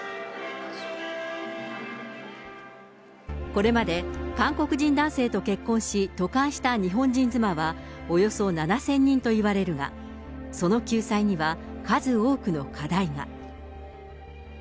これまで韓国人男性と結婚し、渡韓した日本人妻はおよそ７０００人といわれるが、その救済には数多くの課題が。